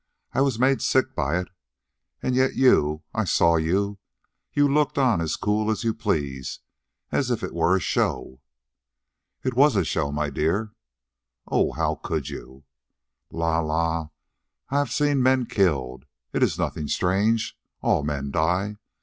"I was made sick by it. And yet you I saw you you looked on as cool as you please, as if it was a show." "It was a show, my dear." "Oh, how could you?" "La la, I have seen men killed. It is nothing strange. All men die.